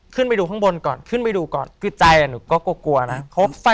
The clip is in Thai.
ขึ้นไปดูข้างบนก่อนก็กลัวควะนะ